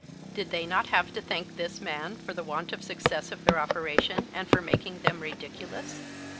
Did they not have to thank this man for the want of success of their operation and for making them ridiculous?